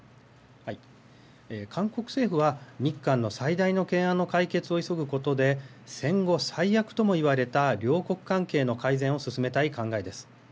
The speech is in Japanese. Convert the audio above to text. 韓国政府は日韓の最大の懸案の解決を急ぐことで戦後最悪とも言われた両国関係の改善を進めたい考えです。